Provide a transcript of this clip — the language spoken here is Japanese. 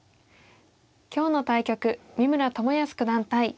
今日の対局三村智保九段対呉柏毅